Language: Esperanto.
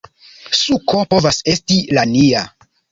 Suko povas esti la nia